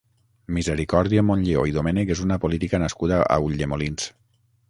Misericòrdia Montlleó i Domènech és una política nascuda a Ulldemolins.